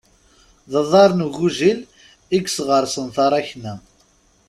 D aḍar n ugujil i yesɣersen taṛakna.